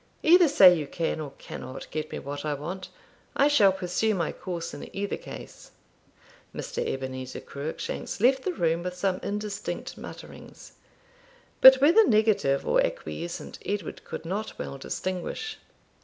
Either say you can, or cannot, get me what I want; I shall pursue my course in either case.' Mr. Ebenezer Cruickshanks left the room with some indistinct mutterings; but whether negative or acquiescent, Edward could not well distinguish.